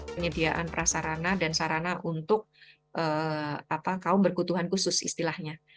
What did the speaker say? penyediaan prasarana dan sarana untuk kaum berkutuhan khusus istilahnya